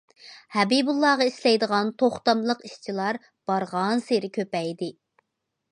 ھەبىبۇللاغا ئىشلەيدىغان توختاملىق ئىشچىلار بارغانسېرى كۆپەيدى.